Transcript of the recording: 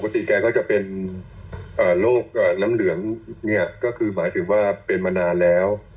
แกก็จะเป็นโรคน้ำเหลืองเนี่ยก็คือหมายถึงว่าเป็นมานานแล้ว